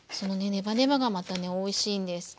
ネバネバがまたねおいしいんです。